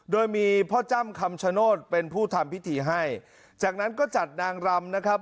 โดยมีพ่อจ้ำคำชโนธเป็นผู้ทำพิธีให้จากนั้นก็จัดนางรำนะครับ